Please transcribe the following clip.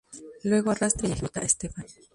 Luego arresta y ejecuta a Stefan.